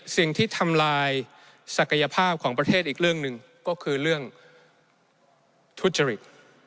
สิ่งที่ทำลายศักยภาพของประเทศอีกเรื่องหนึ่งก็คือเรื่องทุจริต